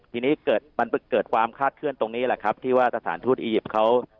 ทีนี้เกิดมันเกิดความคาดเคลื่อนตรงนี้แหละครับที่ว่าสถานทูตอียิปต์เขา